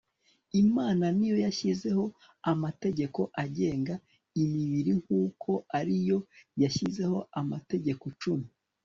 imana ni yo yashyizeho amategeko agenga imibiri nk'uko ari yo yashyizeho amategeko cumi